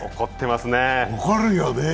怒るよね。